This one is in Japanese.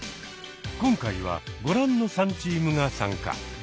今回はご覧の３チームが参加。